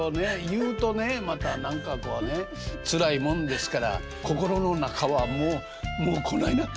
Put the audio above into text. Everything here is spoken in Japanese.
言うとねまた何かこうねつらいもんですから心の中はもうこないなってんですよ。